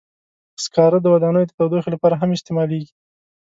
سکاره د ودانیو د تودوخې لپاره هم استعمالېږي.